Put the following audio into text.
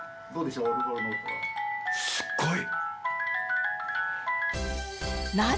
すっごい！